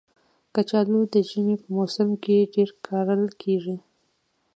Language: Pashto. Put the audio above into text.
کچالو د ژمي په موسم کې ډېر کرل کېږي